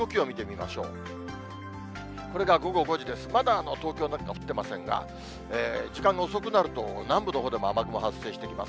まだ東京なんかは降っていませんが、時間遅くなると、南部のほうでも雨雲発生してきます。